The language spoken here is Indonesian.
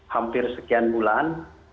hampir sekian bulan